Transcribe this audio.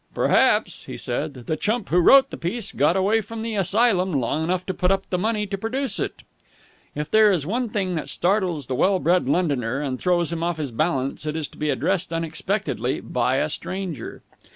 "Perhaps," he said, "the chump who wrote the piece got away from the asylum long enough to put up the money to produce it." If there is one thing that startles the well bred Londoner and throws him off his balance, it is to be addressed unexpectedly by a stranger.